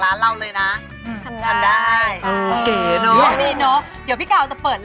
ร้านเราเลยน่ะเออทำได้เออเก๋เนอะดีเนอะเดี๋ยวพี่กาวจะเปิดร้าน